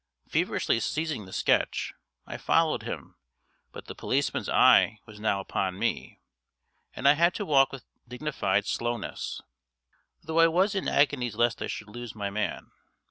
Feverishly seizing the sketch, I followed him, but the policeman's eye was now upon me, and I had to walk with dignified slowness, though I was in agonies lest I should lose my man.